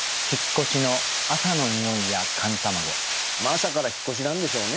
朝から引越しなんでしょうね。